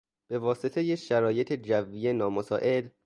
به واسطهی شرایط جوی نامساعد...